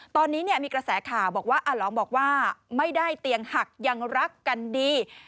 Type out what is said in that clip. ตอนนี้มีกระแสข่าวบอกว่าอาหลองบอกว่าไม่ได้เตียงหักยังรักกันดี